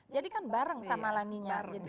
jadi kan bareng sama laninya